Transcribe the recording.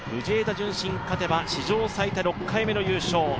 順心が勝てば、史上最多６回目の優勝。